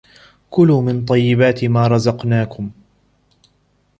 كُلُوا مِنْ طَيِّبَاتِ مَا رَزَقْنَاكُمْ ۖ